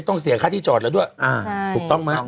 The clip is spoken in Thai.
ต้องเสียค่าที่จอดแล้วด้วยอ่าถูกต้องไหมถูกต้อง